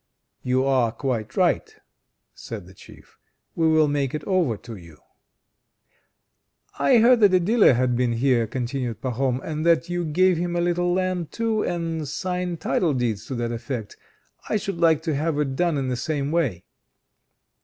"You are quite right," said the Chief. "We will make it over to you." "I heard that a dealer had been here," continued Pahom, "and that you gave him a little land, too, and signed title deeds to that effect. I should like to have it done in the same way."